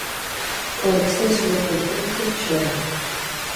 O exceso de contento chora.